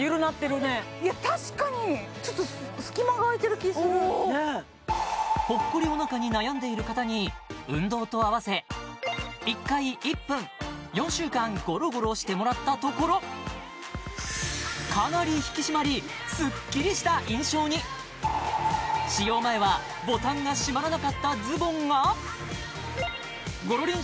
確かにちょっと隙間が空いてる気するポッコリお腹に悩んでいる方に運動と合わせ１回１分４週間ゴロゴロしてもらったところかなり引き締まりスッキリした印象に使用前はボタンがしまらなかったズボンがごろりん